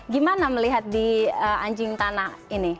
gimana melihat di anjing tanah ini